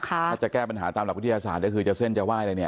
ถ้าจะแก้ปัญหาตามหลักวิทยาศาสตร์ก็คือจะเส้นจะไหว้อะไรเนี่ย